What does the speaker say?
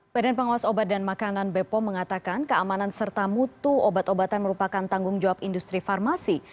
badan pengawas obat dan makanan bepom mengatakan keamanan serta mutu obat obatan merupakan tanggung jawab industri farmasi